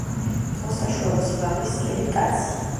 იყო საშუალო სიმაღლის სქელი კაცი.